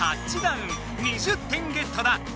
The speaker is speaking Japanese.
２０点ゲットだ。